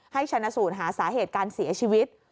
ให้ชนะศูนย์หาสาเหตุการณ์เสียชีวิต